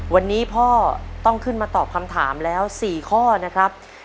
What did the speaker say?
วันนี้พ่อต้องขึ้นมาตอบคำถามแล้ว๔ข้อนะครับ